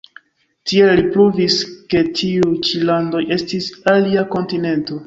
Tiel li pruvis ke tiuj ĉi landoj estis alia kontinento.